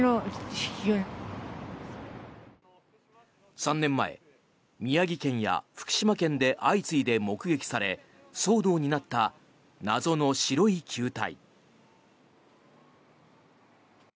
３年前、宮城県や福島県で相次いで目撃され騒動になった謎の白い球体。